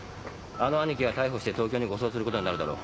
あの兄貴は逮捕して東京に護送することになるだろう。